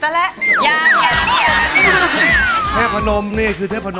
แต่เมื่อกลัวอย่างนี้หนูเห็นเป็นหมาเน่่ากันเหรอไงครับ